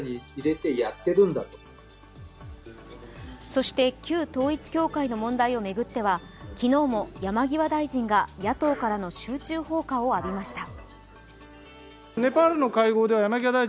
そして旧統一教会の問題を巡っては昨日も山際大臣が野党からの集中砲火を浴びました。